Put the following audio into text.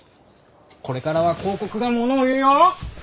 これからは広告がものを言うよ！